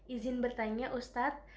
izin bertanya ustadz